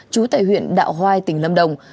trú tại huyện đạo hoai tỉnh lâm đồng